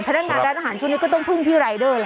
พนักงานร้านอาหารช่วงนี้ก็ต้องพึ่งพี่รายเดอร์ล่ะ